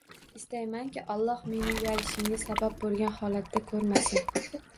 Istaymanki, Alloh meni uyalishimga sabab bo'lgan holatda ko'rmasin.